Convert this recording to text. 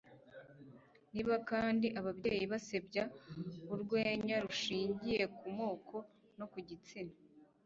niba kandi ababyeyi basebya urwenya rushingiye ku moko no ku gitsina